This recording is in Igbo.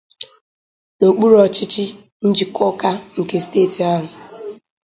n'okpuru ọchịchị Njikọka nke steeti ahụ.